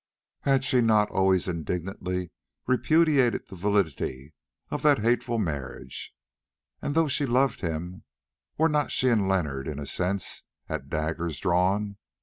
Had she not always indignantly repudiated the validity of that hateful marriage, and though she loved him, were not she and Leonard in a sense at daggers drawn?